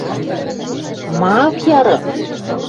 Ма ак яры?